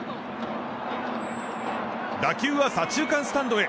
打球は左中間スタンドへ。